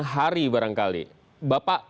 hari barangkali bapak